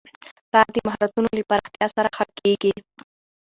کار د مهارتونو له پراختیا سره ښه کېږي